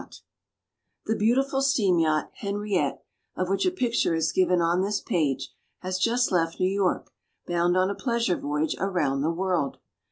] The beautiful steam yacht Henriette, of which a picture is given on this page, has just left New York, bound on a pleasure voyage around the world.